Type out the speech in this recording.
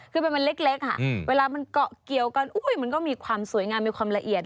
คือมันเล็กเวลามันเกาะเกี่ยวกันมันก็มีความสวยงามมีความละเอียด